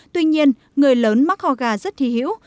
tuy nhiên người lớn mắc ho gà rất thi hữu